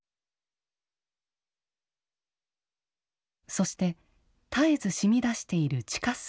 そして絶えずしみ出している地下水。